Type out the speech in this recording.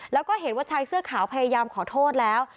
แล้วก็เห็นว่าชายเสื้อขาวพยายามขอโทษแล้ว